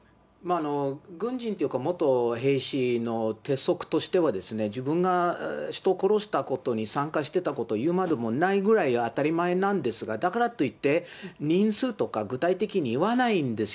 軍人というか、元兵士の鉄則としては、自分が人を殺したことに参加してたこと、言うまでもないくらい当たり前なんですが、だからといって、人数とか、具体的に言わないんですよ。